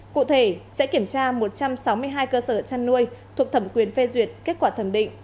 cụ thể sẽ kiểm tra một trăm sáu mươi hai cơ sở chăn nuôi thuộc thẩm quyền phê duyệt kết quả thẩm định